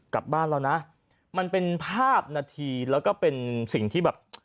กลับบ้านแล้วนะมันเป็นภาพนาทีแล้วก็เป็นสิ่งที่แบบ